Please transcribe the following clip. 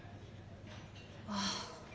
ああ。